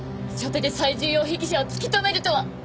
初手で最重要被疑者を突き止めるとは。